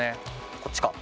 こっちか。